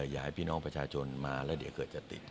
อยากให้พี่น้องประชาชนมาแล้วเดี๋ยวเกิดจะติด